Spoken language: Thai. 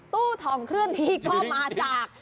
ตู้ทองเคลื่อนที่ก็มาจาก